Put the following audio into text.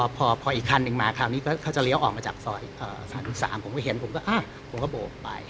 พออีกคันหนึ่งมาคราวนี้เขาจะเลี้ยวออกมาจากซอย๓๓ผมก็เห็นผมก็ผมก็โบกไป